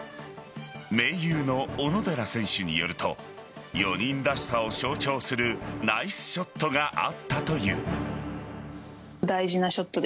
盟友の小野寺選手によると４人らしさを象徴するナイスショットがあったという。